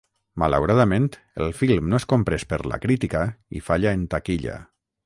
Malauradament, el film no és comprès per la crítica i falla en taquilla.